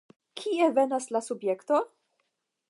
Kie venas la subjekto?